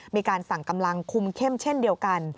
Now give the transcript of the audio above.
มีการสั่งกำลังคุมเข้มเช่นเดียวกัน